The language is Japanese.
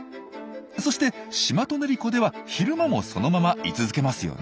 そしてシマトネリコでは昼間もそのまま居続けますよね。